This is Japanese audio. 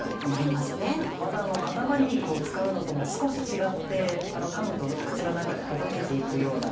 また塊肉を使うのとも少し違ってかむと口の中でほどけて行くような。